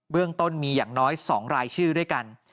เรื่องต้นมีอย่างน้อย๒รายชื่อด้วยกัน